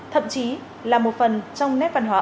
thậm chí là một phần trong nét văn hóa